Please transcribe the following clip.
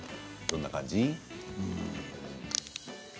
どんな感じ？